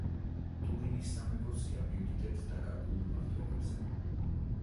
ტურინის სამეფო სია მიუთითებს „დაკარგულ“ მმართველებზე.